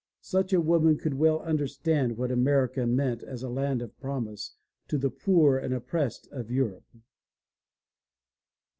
Such a woman could well understand what America meant as a land of promise to the poor and oppressed of Europe.